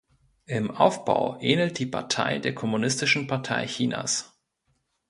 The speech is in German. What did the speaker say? Im Aufbau ähnelt die Partei der Kommunistischen Partei Chinas.